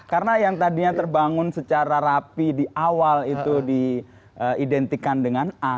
karena yang tadinya terbangun secara rapi di awal itu diidentikan dengan a